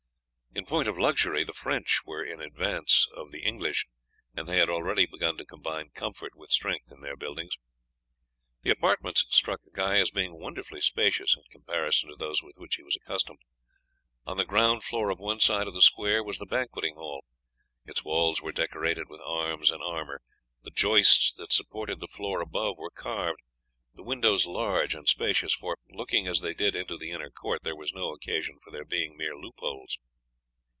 In point of luxury the French were in advance of the English, and they had already begun to combine comfort with strength in their buildings. The apartments struck Guy as being wonderfully spacious in comparison to those with which he was accustomed. On the ground floor of one side of the square was the banqueting hall. Its walls were decorated with arms and armour, the joists that supported the floor above were carved, the windows large and spacious, for, looking as they did into the inner court, there was no occasion for their being mere loopholes.